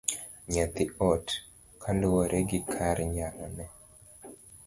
Nyathi oti kaluwore gi kar nyalone.